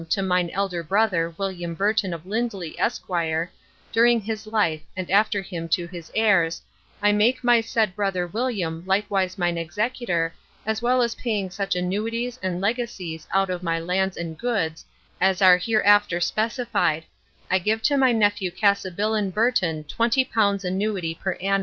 to mine Elder Brother William Burton of Lindly Esquire during his life and after him to his Heirs I make my said Brother William likewise mine Executor as well as paying such Annuities and Legacies out of my Lands and Goods as are hereafter specified I give to my nephew Cassibilan Burton twenty pounds Annuity per Ann.